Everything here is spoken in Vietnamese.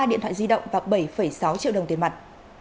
hai điện thoại di động và bảy sáu triệu đồng tiền mặt